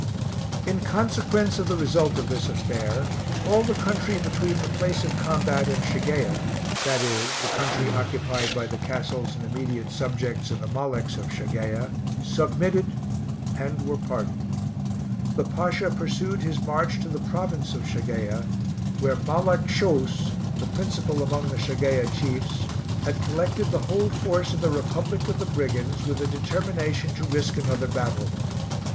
In consequence of the result of this affair, all the country between the place of combat and Shageia, i.e. the country occupied by the castles and immediate subjects of the Maleks of Shageia, submitted and were pardoned. The Pasha pursued his march to the province of Shageia, where Malek Shouus, the principal among the Shageia chiefs, had collected the whole force of the republic of the brigands with a determination to risk another battle.